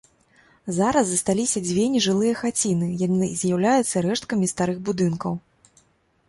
Зараз засталіся дзве нежылыя хаціны, яны з'яўляюцца рэшткамі старых будынкаў.